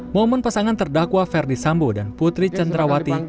momen pasangan terdakwa verdi sambo dan putri cendrawati